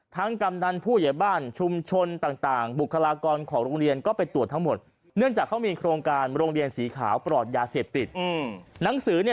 ทั้งกำดันผู้ใหญ่บ้านชุมชนต่างบุคลากรของโรงเรียน